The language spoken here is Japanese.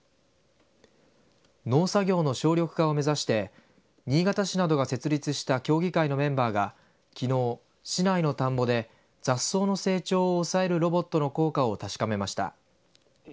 農作業の省力化を目指して新潟市などが設立した協議会のメンバーがきのう、市内の田んぼで雑草の成長を抑えるロボットの効果を確かめました。